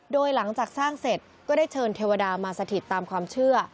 โดยหลังจากสร้างเสร็จก็ได้เชิญเทวดามาสถิตตามความเชื่อ